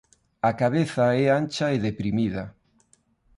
A cabeza é ancha e deprimida.